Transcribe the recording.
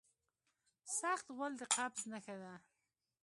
سخت غول د قبض نښه ده.